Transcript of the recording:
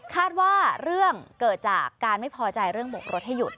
คาดว่าเรื่องเกิดจากการไม่พอใจเรื่องบกรถให้หยุด